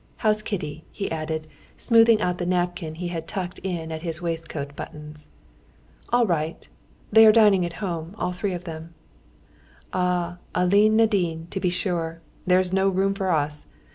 "How's Kitty?" he added, smoothing out the napkin he had tucked in at his waistcoat buttons. "All right; they are dining at home, all the three of them." "Ah, 'Aline Nadine,' to be sure! There's no room with us.